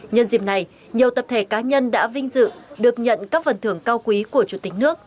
nhân dịp này nhiều tập thể cá nhân đã vinh dự được nhận các phần thưởng cao quý của chủ tịch nước